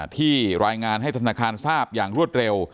ที่รายงานให้ธนาคารทราบอย่างรวดเร็ว